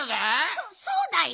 そそうだよ。